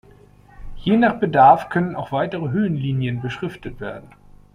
Je nach Bedarf können auch weitere Höhenlinien beschriftet werden.